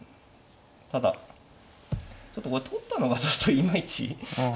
ただちょっとこれ取ったのがいまいち。